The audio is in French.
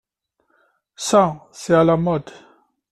Ça, c’est à la mode.